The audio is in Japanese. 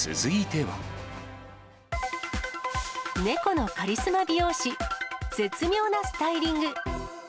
猫のカリスマ美容師、絶妙なスタイリング。